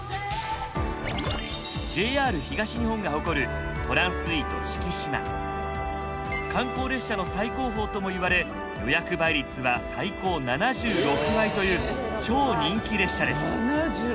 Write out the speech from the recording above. ＪＲ東日本が誇る観光列車の最高峰ともいわれ予約倍率は最高７６倍という超人気列車です。